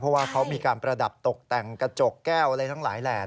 เพราะว่าเขามีการประดับตกแต่งกระจกแก้วอะไรทั้งหลายแหล่